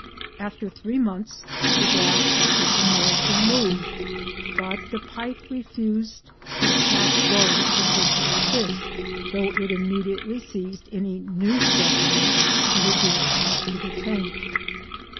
After three months, the glass partition was removed, but the pike refused to attack those particular fish, though it immediately seized any new specimens introduced to the tank.